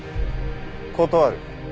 断る。